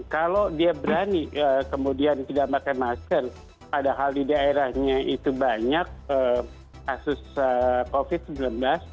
kalau dia berani kemudian tidak pakai masker padahal di daerahnya itu banyak kasus covid sembilan belas